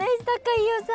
飯尾さん。